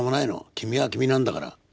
君は君なんだから。